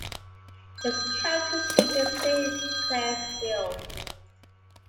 Its county seat is Saint Clairsville.